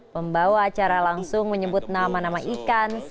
pembawa acara langsung menyebut nama nama ikan